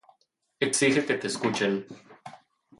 Exige que te escuchen.